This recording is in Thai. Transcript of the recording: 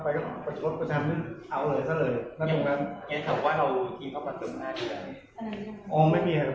ไม่คิดว่าจะใหญ่โตเงินที่หรอก